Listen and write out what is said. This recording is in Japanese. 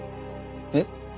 えっ？